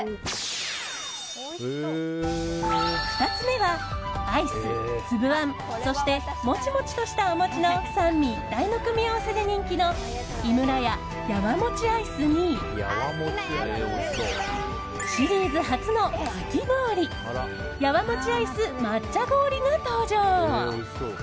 ２つ目はアイス、粒あんそしてモチモチとしたお餅の三位一体の組み合わせで人気の井村屋、やわもちアイスにシリーズ初のかき氷やわもちアイス抹茶氷が登場。